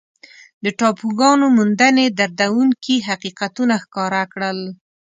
د ټاپوګانو موندنې دردونکي حقیقتونه ښکاره کړل.